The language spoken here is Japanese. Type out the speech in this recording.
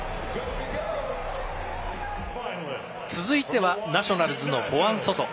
続いては、ナショナルズのホアン・ソト。